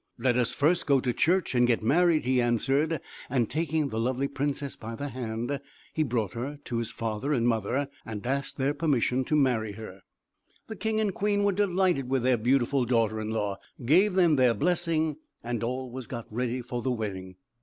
"Let us first go to church, and get married," he answered, and taking the lovely princess by the hand, he brought her to his father and mother, and asked their permission to marry her. [Illustration: THE PRINCE STEALS THE WINGS] The king and queen were delighted with their beautiful daughter in law, gave them their blessing, and all was got ready for the wedding.